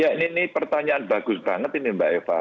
ya ini pertanyaan bagus banget ini mbak eva